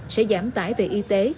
sẽ giảm tải về y tế